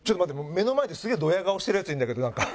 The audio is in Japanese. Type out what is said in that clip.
目の前ですげえドヤ顔してるヤツいるんだけどなんか。